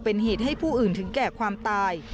เป็นเหตุให้ผู้อื่นถึงแก่ความตาย